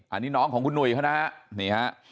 อันนี้น้องของคุณหนุ่ยเขานะฮะนี่ฮะ